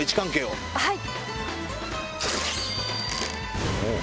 はい。